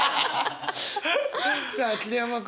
さあ桐山君。